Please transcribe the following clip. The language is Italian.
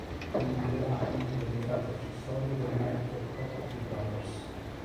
Condividerà anche le entrate accessorie del marchio Property Brothers.